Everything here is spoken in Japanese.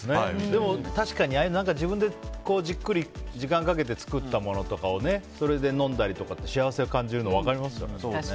でも確かに自分でじっくり時間をかけて作ったものとかをそれで飲んだりとかって幸せ感じるの分かりますよね。